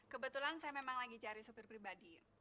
kebetulan saya memang lagi cari sopir pribadi